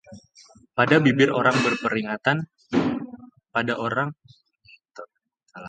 Pada bibir orang berpengertian terdapat hikmat